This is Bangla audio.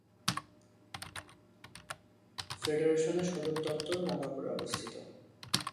ফেডারেশন সদর দফতর নাগপুরে অবস্থিত।